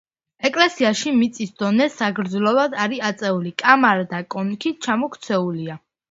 ეკლესიაში მიწის დონე საგრძნობლად არის აწეული, კამარა და კონქი ჩამოქცეულია.